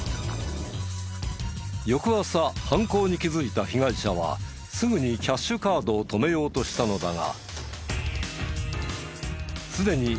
翌朝犯行に気づいた被害者はすぐにキャッシュカードを止めようとしたのだが。